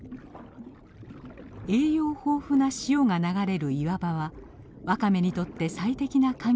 栄養豊富な潮が流れる岩場はワカメにとって最適な環境なのです。